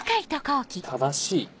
「正しい」？